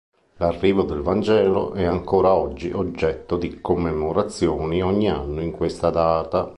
L'arrivo del Vangelo è ancora oggi oggetto di commemorazioni ogni anno in questa data.